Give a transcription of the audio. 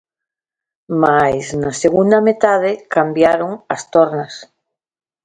Mais na segunda metade cambiaron as tornas.